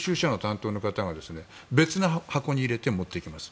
そうすると、担当の人が別の箱に入れて持っていきます。